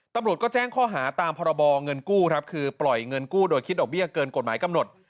ตำรวจก็แจ้งข้อหาตามพรบเงินกู้ครับคือปล่อยเงินกู้โดยคิดดอกเบี้ยเกินกฎหมายกำหนด